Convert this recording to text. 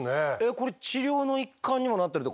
これ治療の一環にもなってるって